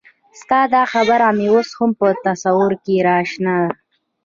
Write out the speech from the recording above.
ستا دا خبره مې اوس هم په تصور کې راشنه